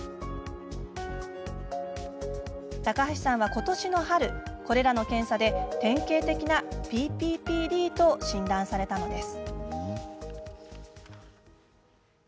高橋さんは今年の春これらの検査で典型的なＰＰＰＤと診断されたのです。